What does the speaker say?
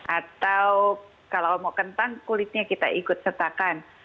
atau kalau mau kentang kulitnya kita ikut sertakan